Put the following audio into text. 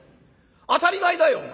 当たり前だよお前。